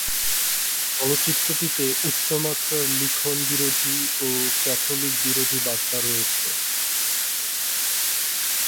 চলচ্চিত্রটিতে উচ্চমাত্রার লিখন বিরোধী ও ক্যাথলিক বিরোধী বার্তা রয়েছে।